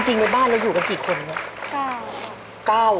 จริงในบ้านเราอยู่กันกี่คนเนี่ย